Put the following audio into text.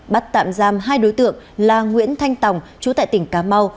bắt tạm giam hai đối tượng là nguyễn thanh tòng trú tại tỉnh cá mau